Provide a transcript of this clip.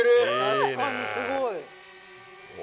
確かにすごい。お。